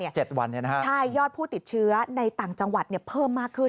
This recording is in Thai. ใช่ยอดผู้ติดเชื้อในต่างจังหวัดเพิ่มมากขึ้น